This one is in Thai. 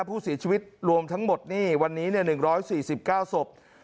ผู้เสียชีวิตรวมทั้งหมดนี่วันนี้เนี่ยหนึ่งร้อยสี่สิบเก้าศพ